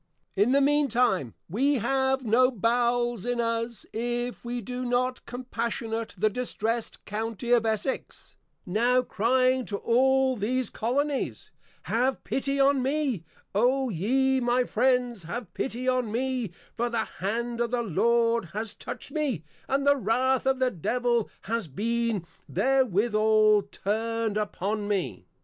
In the mean time, We have no Bowels in us, if we do not Compassionate the Distressed County of Essex, now crying to all these Colonies, _Have pity on me, O ye my Friends, Have pity on me, for the Hand of the Lord has Touched me, and the Wrath of the Devil has been therewithal turned upon me.